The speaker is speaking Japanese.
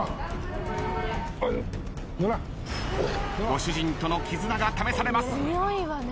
ご主人との絆が試されます。